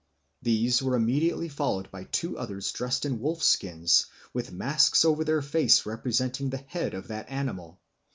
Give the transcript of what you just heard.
These were immediately followed by two others dressed in wolf skins, with masks over their faces representing the head of that animal.